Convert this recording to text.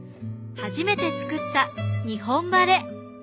初めて作った「日本」。